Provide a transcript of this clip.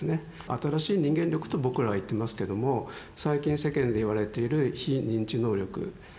新しい人間力と僕らは言ってますけども最近世間でいわれている非認知能力。